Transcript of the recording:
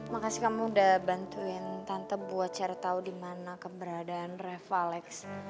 makasih kamu udah bantuin tante buat ceritau di mana keberadaan reva alex